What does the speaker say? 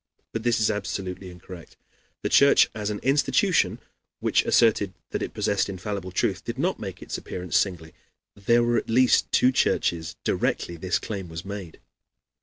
But this is absolutely incorrect. The Church, as an institution which asserted that it possessed infallible truth, did not make its appearance singly; there were at least two churches directly this claim was made.